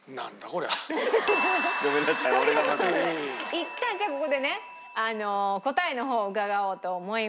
いったんじゃあここでね答えの方を伺おうと思います。